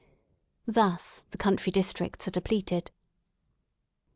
Thus the country districts are depleted.